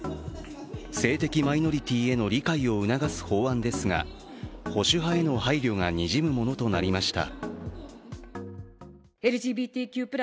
性的マイノリティへの理解を促す法案ですが、保守派への配慮がにじむものとなりました。